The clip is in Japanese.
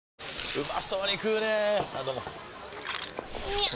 うまそうに食うねぇあどうもみゃう！！